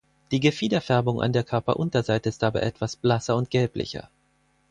Die Gefiederfärbung an der Körperunterseite ist dabei etwas blasser und gelblicher.